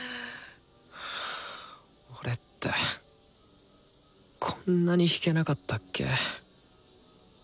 俺ってこんなに弾けなかったっけ？